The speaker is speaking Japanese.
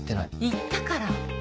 言ったから。